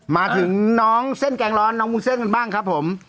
มาถึงน้องเส้นแกงร้อนน้องวุ้นเส้นกันบ้างครับผม